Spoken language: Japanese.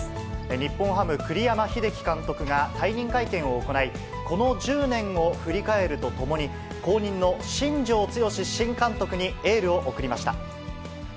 日本ハム、栗山英樹監督が退任会見を行い、この１０年を振り返るとともに、後任の新庄剛志新監督にエールを送りました。